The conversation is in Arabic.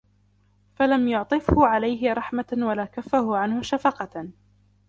فَلَمْ يُعْطِفْهُ عَلَيْهِ رَحْمَةٌ وَلَا كَفَّهُ عَنْهُ شَفَقَةٌ